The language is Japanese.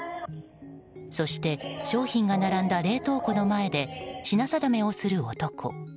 そして商品が並んだ冷凍庫の前で品定めをする男。